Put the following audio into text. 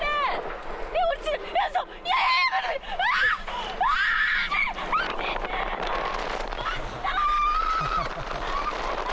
落ちたー！